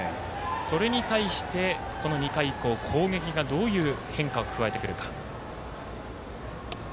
それに対してこの２回以降攻撃がどういう変化を加えてくるか。